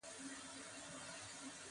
دریشي اکثره د واده پر شپه اغوستل کېږي.